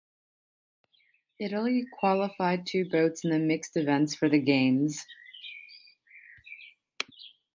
Italy qualified two boats in the mixed events for the games.